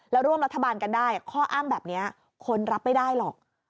แล้วร่วมรัฐบาลกันได้ข้ออ้างแบบนี้คนรับไม่ได้หรอก